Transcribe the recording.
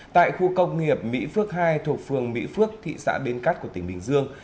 tại khu công nghiệp mỹ phước hai thuộc phường mỹ phước thị xã bến cát của tỉnh bình dương